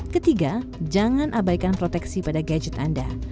ketiga jangan abaikan proteksi pada gadget anda